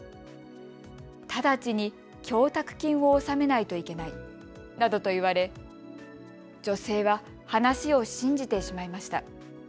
直ちに供託金を納めないといけないなどと言われ女性は話を信じてしまいました。